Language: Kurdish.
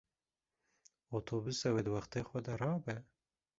Otobus ew ê di wextê xwe de rabe?